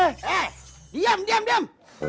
eh diam diam diam